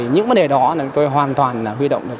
những vấn đề đó tôi hoàn toàn huy động được